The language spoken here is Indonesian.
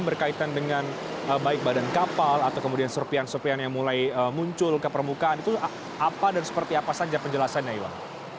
berkaitan dengan baik badan kapal atau kemudian serpian serpian yang mulai muncul ke permukaan itu apa dan seperti apa saja penjelasannya iwan